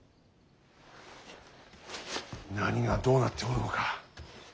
何がどうなっておるのか。